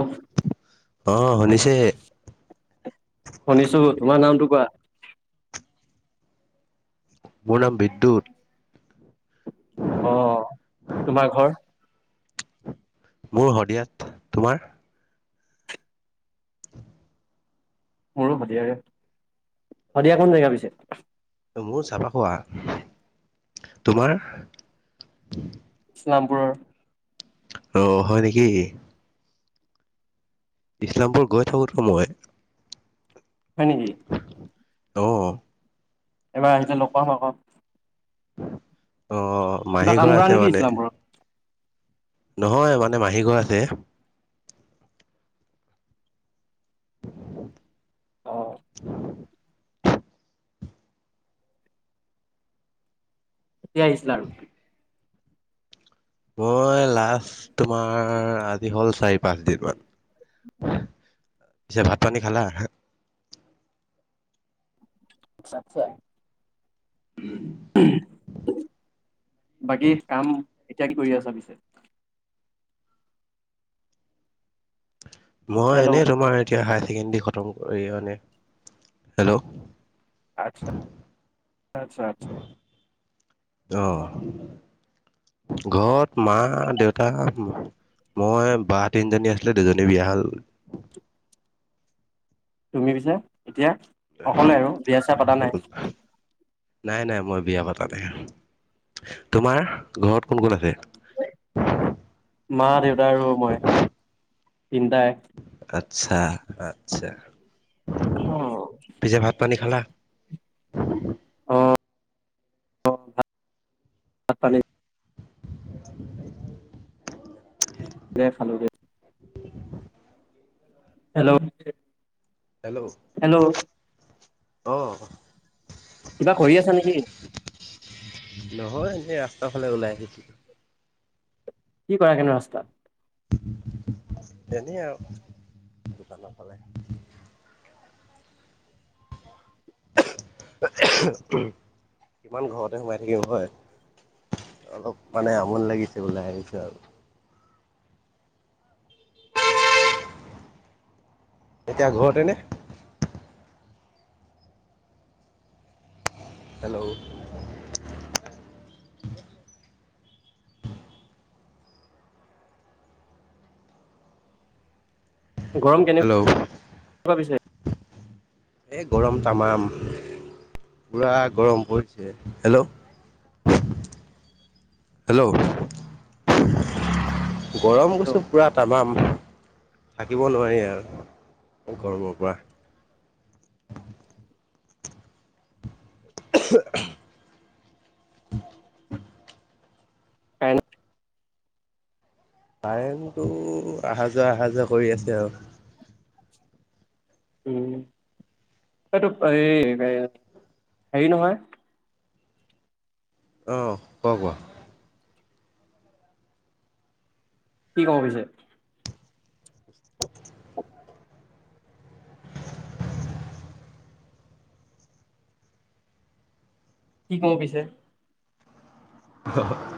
Of. অ শুনিছে। শুনিছো তোমাৰ নামটো কোৱা। মোৰ নাম বিদ্যুত। অ তোমাৰ ঘৰ। মোৰ শদিয়াত তোমাৰ। মোৰো শদিয়াৰে শদিয়াৰ কোন জেগা পিছে। মোৰ চেপা খোৱা তোমাৰ। ইছলামপুৰৰ। অ হয় নেকি। ইছলামপুৰ গৈ থাকোতো মই। হয় নেকি। অও। এবাৰ আহিলে লগ পাম আক। অ কিবা মাহী কাম ঘৰ কৰা আছে নেকি মানে। ইছলামপুৰত নহয় মানে মাহী ঘৰ আছে। অ [unintelligible] কেতিয়া আহিছিলা, মই লাষ্ট তোমাৰ আজি হ'ল চাৰি পাঁচদিন মান। পিছে ভাত পানী খালা। [unintelligible] [inaudible] বাকী কাম এতিয়া কি কৰি আছা পিছে? মই হেল্ল' এনেই তোমাৰ এতিয়া হায়াৰ ছেকেণ্ডৰী খতম কৰি মানে হেল্ল', আচ্ছা আচ্ছা- আচ্ছা। অহ, ঘৰত মা, দেউতা মই বাহ তিনিজনী আছিলে দুজনী বিয়া হ'ল। তুমি পিছে এতিয়া অকলে আৰু বিয়া চিয়া পাতা নাই? নাই -নাই মই বিয়া পাতা নাই তোমাৰ ঘৰত কোন-কোন আছে? মা, দেউতা আৰু মই তিনিটাই। আচ্ছা -আচ্ছা অ পিছে ভাত পানী খালা? অ', অ', ভা -ভাত পানী [unintelligible] যে খালোঁ গে। হেল্ল', হেল্ল', হেল্ল' অহ। কিবা কৰি আছা নেকি? নহয় এনেই ৰাস্তা ফালে ওলাই আহিছোঁ। কি কৰা গেনো ৰাস্তাত? তেনে আৰু [unintelligible] নাপালে। [unintelligible] কিমান ঘৰতে সোমাই থাকিম হয়। অলপ মানে আমনি লাগিছে ওলাই আহিছোঁ আৰু। এতিয়া ঘৰতেনে? হেল্ল', গৰম কেনে হেল্ল' [inaudible] কুৱা পিছে? এ গৰম তামাম পুৰা গৰম পৰিছে হেল্ল', হেল্ল', গৰম কৈছো পুৰা তামাম থাকিব নোৱাৰি আৰু গৰমৰ পৰা। [unintelligible] কাৰেন [unintelligible] কাৰেণ্টটো আহা যোৱা- আহা যোৱা কৰি আছে আৰু। উম, এইটোপ এই হে হেৰি নহয়? অহ, কোৱা- কোৱা? কি ক'ব পিছে? কি কওঁ পিছে? হ [unintelligible]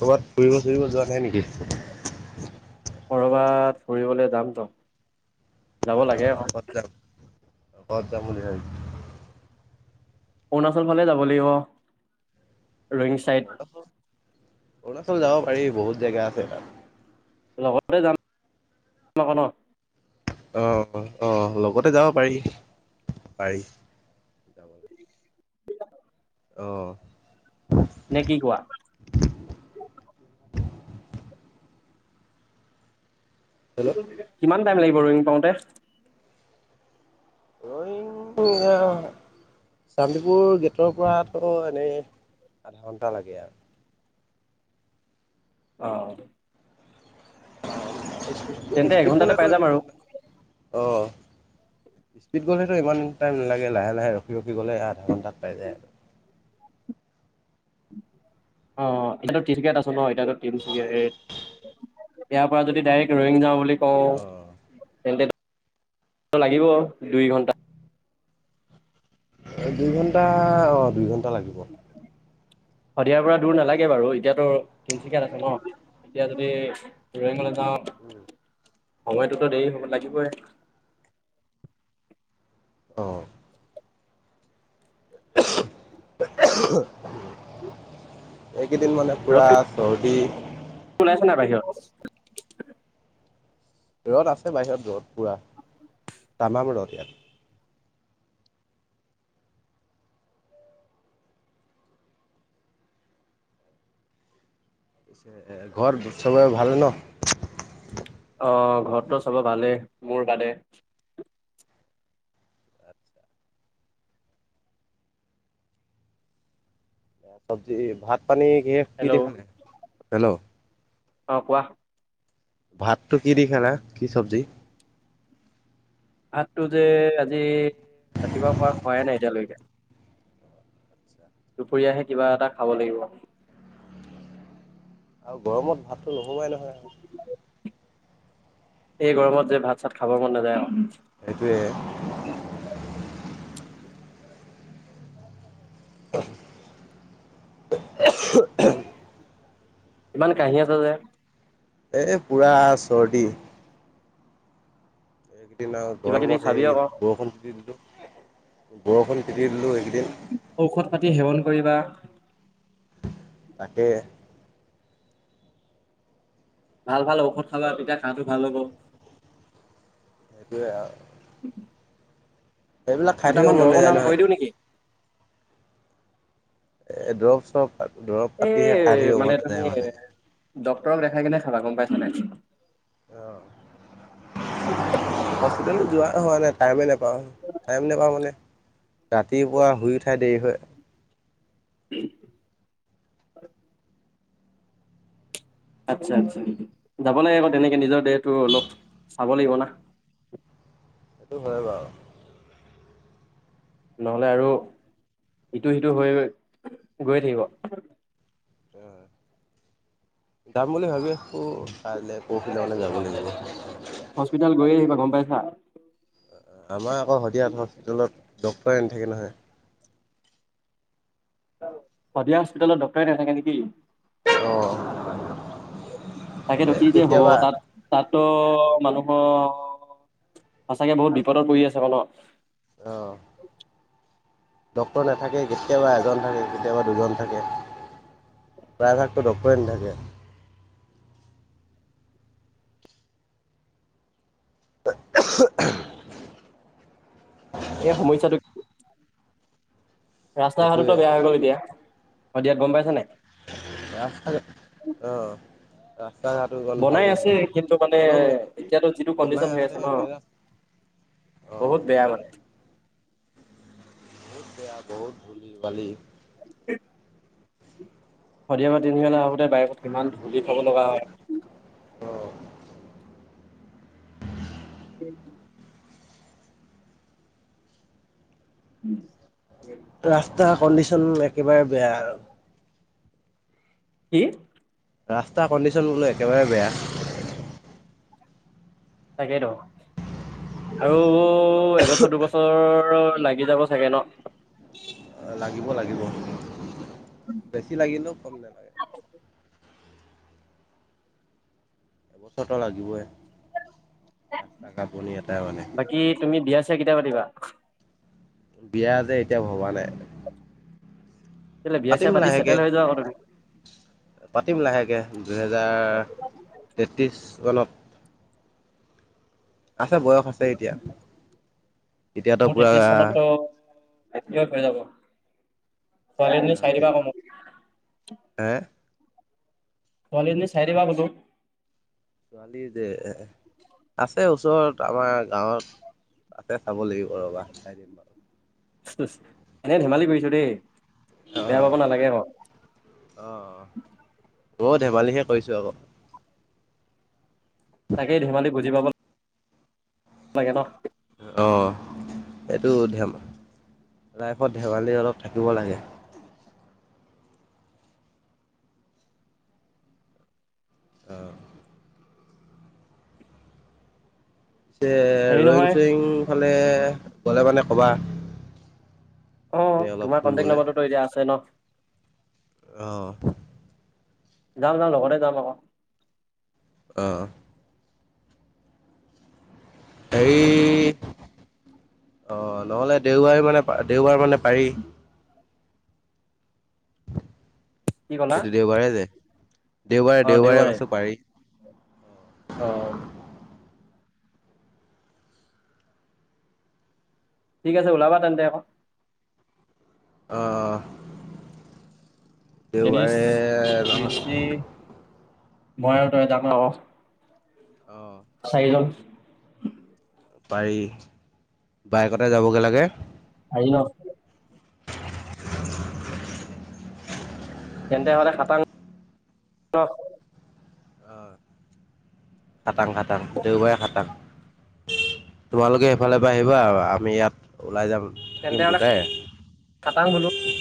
ক'বাত ফুৰিব চুৰিব যোৱা নাই নেকি? কৰবাত ফুৰিবলে যাম ত'। অ, ক'ত যাম- ক'ত যাম বুলি ভাবি [unintelligible] অৰুণাচল ফালে যাব লাগিব। ৰয়িং [unintelligible] চাইড অৰুণাচল যাব পাৰি বহুত জেগা আছে তাত। লগতে যাম [unintelligible] অ', [unintelligible] অহ, লগতে যাব পাৰি - পাৰি। [inaudible] [unintelligible] অ', নে কি কোৱা? হেল্ল', কিমান টাইম লাগিব আৰু [unintelligible] পাওঁতে? অ [unintelligible] শান্তিপুৰ গেটৰ পৰাতো এনেই আধা ঘণ্টা লাগে ইয়াৰ অ', তেন্তে স্পীড এঘন্টাতে গ'লেটো পাই যাম আৰু এঘন্টা নালাগে আহ স্পীড গ'লেতো ইমান টাইম নালাগে লাহে লাহে ৰখি ৰখি গলে আধা ঘণ্টাত পাই যায় আৰু অ এতিয়াতো তিনিচুকীয়াত আছে ন এতিয়াতো তিনিচুকীয়া ইয়াৰ পৰা যদি ডাইৰেক্ট ৰয়িং যাওঁ বুলি কও অ' তেন্তে লাগিব দুই ঘণ্টা। দুইঘণ্টা অ দুই ঘণ্টা লাগিব। শদিয়াৰ পৰা দূৰ নালাগে বাৰু এতিয়াতো তিনিচুকীয়াত আছ ন এতিয়া যদি ৰয়িঙলে যাওঁ সময়টোতো দেৰি হ'ব লাগিবই। অহ [unintelligible] এইকেইদিন মানে পুৰা চৰ্দি ওলাইছ নাই বাহিৰত ৰ'দ আছে বাহিৰত ৰ'দ পূৰা তামাম ৰ'দ ইয়াত পিছে ঘৰত চবৰে ভাল ন? অ ঘৰতটো চব ভালে মোৰ বাদে চব্জি ভাত পানী কিহে, কি হেল্ল' দি খালে হেল্ল' অ কোৱা ভাতটো কি দি খালা কি চব্জি? ভাতটো যে আজি ৰাতিপুৱা পা খুৱাই নাই এতিয়ালৈকে দুপুৰীয়াহে কিবা এটা খাব লাগিব। আৰু গৰমত ভাতটো নোহোমাই নহয়। এই গৰমত যে ভাত চাত খাব মন নাযায় অ। সেইটোৱে [unintelligible] ইমান কাহী আছা যে? এই পূৰা চৰ্দি। সেদিনা আও কিবা কিবি গৰমত খাবি সেই আকৌ বৰষুণ তিতি দিলোঁ বৰষুণ তিতি দিলোঁ এইকেইদিন ঔষধ পাতি সেৱন কৰিবা তাকে ভাল ভাল ঔষধ খাবা তেতিয়া কাহটো ভাল হ'ব। সেইটোৱে আও উম সেইবিলাক খাই থাকিবা মন নযায় নহয়। দিও নেকি দৰৱ চৰব পা দৰৱ এই পাতিহে খাই থাকিব মানে মন তুমি নাযায় মানে। ডক্তৰক দেখাই কিনে খাবা গম পাইছা নাই। হস্পিতেলত যোৱা হোৱা নাই টাইমে নেপাওঁ টাইম নেপাওঁ মানে ৰাতিপুৱা শুই উঠাই দেৰি হয় [unintelligible] আচ্ছা আচ্ছা যাব লাগে আকৌ তেনেকে নিজৰ দেটো অলপ চাব লাগিব না। সেইটো হয় বাৰু নহ'লে আৰু ইটো সিটো হৈ গৈ গৈয়ে থাকিব। যাম বুলি ভাবি আছোঁ কাইলে পৰহিলে মানে যাব লাগিব। হস্পিটাল গৈয় আহিবা গম পাইছা? আমাৰ আকৌ শদিয়াত হস্পিটেলত ডাক্তৰে নাথাকে নহয়। শদিয়া হস্পিটেলত ডক্তৰে নাথাকে নেকি? অঁ তাকেতো কি যে হ'ব কেতিয়াবা তাত তাততো মানুহৰ সচাকে বহুত বিপদত পৰি আছে অ ন‌। অ ডক্তৰ নাথাকে কেতিয়াবা এজন থাকে কেতিয়াবা দুজন থাকে প্ৰায়ভাগতো ডক্টৰে নাথাকে। [unintelligible] এই সমস্যাটো, ৰাস্তা ঘাটতো সেইটোৱে বেয়া হৈ গল এতিয়া। শদিয়াত গম পাইছা নাই? অহ আহ [unintelligible] বনাই আছে কিন্তু মানে মেইন এতিয়াতো যিটো বনাই কণ্ডিচন হৈ আছে ন মেইন ৰাস্তা অঁ বহুত বেয়া মানে। বহুত বেয়া বহুত ধূলি বালি [unintelligible] শদিয়া পৰা তিনিচুকীয়া আহোতে বাইকত কিমান ধূলি খাব লগা হয়। অ [unintelligible] ৰাস্তাৰ কণ্ডিচন একেবাৰে বেয়া আৰু। সি ৰাস্তা কণ্ডিচন বো একেবাৰে বেয়া। তাকেই ত আৰু এবছৰ দুবছ- তৰ লাগি যাব চাগে ন। লাগিব লাগিব। বেছি লাগিলেও কম নালাগে। এবছৰতৰ লাগিবই। ৰাস্তা ঘাট বনি এটাই মানে বাকী তুমি বিয়া চিয়া কেতিয়া পাতিবা? বিয়া যে এতিয়া ভবা নাই, কেলে বিয়া চিয়া পাতিম পাতি লাহেকে। চেটেল হৈ যোৱা আকৌ তুমি। পাতিম লাহেকৈ দুহেজাৰ তেত্ৰিছ মানত। আছে বয়স আছে এতিয়া এতিয়াতো পূৰা এটি অল থৈ যাব। ছোৱালী এজনী অ চাই দিবা তেত আকৌ মোক হে ছোৱালী এজনী চাই দিবা বোলো। ছোৱালী যে আছে ওচৰত আমাৰ গাঁৱত আছে চাব লাগিব ৰ'বা চাই দিম। এনেই ধেমালি কৰিছো দেই অ বেয়া পাব নালাগে ক। অ মইয়ো ধেমালিহে কৰিছো আক। তাকেই ধেমালি বুজি পাব- লাগে ন। অ এইটো ধেম লাইফত ধেমালি অলপ থাকিব লাগে। অ। যে হেৰি ৰয়িং নহয় চয়িং ফালে গ'লে মানে ক'বা। অ এনেই অলপ তোমাৰ কণ্টেক্ট ফুৰিবলে। নম্বৰটোতো এতিয়া আছে ন। অ। যাম যাম লগতে যাম আক- অ। হেৰি অ নহ'লে দেওবাৰ মানে দেওবাৰ মানে পাৰি। কি ক'লা এইটো দেওবাৰে যে দেওবাৰে দেওবাৰে কৈছো পাৰি। অ ঠিক আছে ওলাবা তেন্তে আক। অ দেওবাৰে ডেনিছ ঋষি নহ- মই আৰু তাত যামে লগ। অ। চাৰি লগছ পাৰি বাইকতে যাবগে লাগে। আহি ল'ক। তেন্তে হ'লে খাটাং [inaudible] ন'? হাআ খাটং খাটং দেওবাৰে খাটং তোমালোকে সেইফালৰ পৰা আহিবা আমি ইয়াত ওলাই যাম। তেন্তে থাকিমতো হ'লে খাটাং বোলো দুটাই।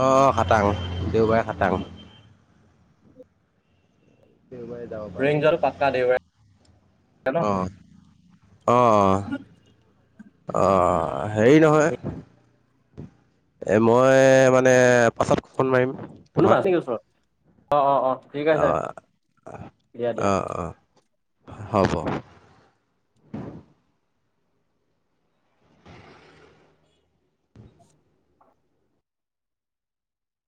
অ, খাটাং দেওবাৰে খাটাং। দেওবাৰে যাব ৰয়িং যোৱাটো পাক্কা দেওবাৰে পাৰিম ন। অ। অ', অ', অ', অ', হেৰি নহয়? এ মই মানে পাছত ফন মাৰিম। কোনোবা তোমাক আছে কি ওচৰত অ', অ', অ', ঠিক আছে অ', অ', দিয়া দিয়া। অ', অ', হ'ব।